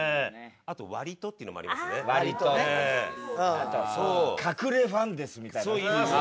あとは「隠れファンです」みたいな人いる。